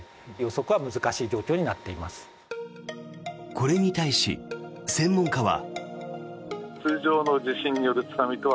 これに対し、専門家は。